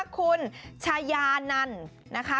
คุณชายานันนะคะ